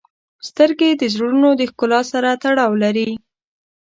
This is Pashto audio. • سترګې د زړونو د ښکلا سره تړاو لري.